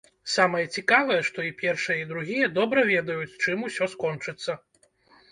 Самае цікавае, што і першыя, і другія добра ведаюць, чым усё скончыцца.